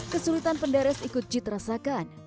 kesulitan penderes ikut jid rasakan